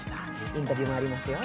インタビューもありますよ。